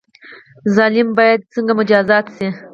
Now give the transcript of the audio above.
ظالم باید څنګه مجازات شي؟